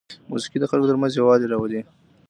موسیقي د خلکو ترمنځ یووالی راولي.